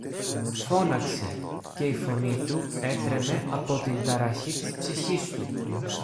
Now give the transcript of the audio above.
φώναξε, και η φωνή του έτρεμε από την ταραχή της ψυχής του.